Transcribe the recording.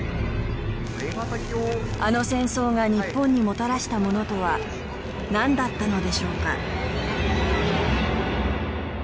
あの戦争が日本にもたらしたものとはなんだったのでしょうか？